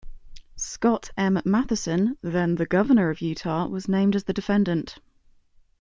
Scott M. Matheson, then the governor of Utah, was named as the defendant.